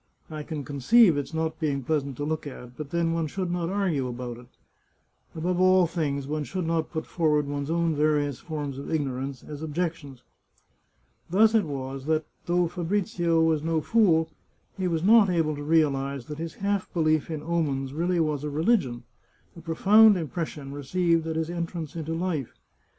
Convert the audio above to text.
I can conceive its not being pleasant to look at. But then one should not argue about it. Above all things, one should not put forward one's own various forms of ignorance as objections. Thus it was that, though Fabrizio was no fool, he was not able to realize that his half belief in omens really was a religion, a profound impression received at his entrance into life.